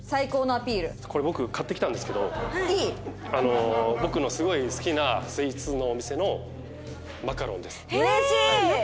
これ僕買ってきたんですけど僕のすごい好きなスイーツのお店のマカロンです。